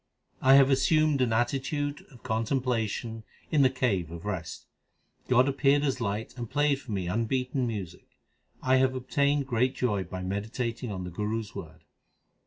I have assumed an attitude of contemplation in the cave of rest. God appeared as light and played for me unbeaten music ; I have obtained great joy by meditating on the Guru s word.